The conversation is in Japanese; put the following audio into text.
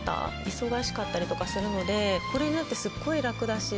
忙しかったりとかするのでこれになってすっごい楽だし。